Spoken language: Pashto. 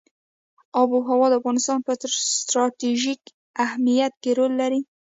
آب وهوا د افغانستان په ستراتیژیک اهمیت کې رول لري.